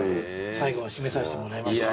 最後は締めさせてもらいましたけど。